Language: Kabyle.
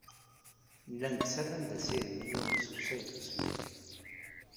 Llan ttarran-d asirem i Yunes u Saɛid u Smaɛil.